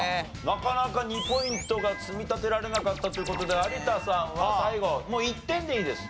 なかなか２ポイントが積み立てられなかったという事で有田さんは最後１点でいいです。